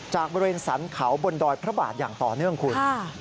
จากบริเวณสรรเขาบนดอยพระบาทอย่างต่อเนื่องคุณ